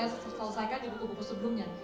itu sudah saya selesaikan di buku buku sebelumnya